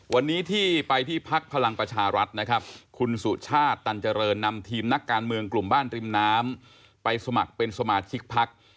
วันนี้ที่ไปที่พักพลังประชารัฐนะครับคุณสุชาติตันเจริญนำทีมนักการเมืองกลุ่มบ้านริมน้ำไปสมัครเป็นสมาชิกพัก